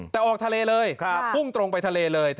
แต่ออกทะเลเลยพุ่งตรงไปทะเลเลย